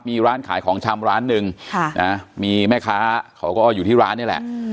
มีร้านขายของชำร้านหนึ่งมีแม่ค้าเขาก็อยู่ที่ร้านนี่แหละ